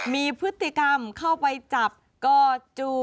มีพฤติกรรมเข้าไปจับก่อจู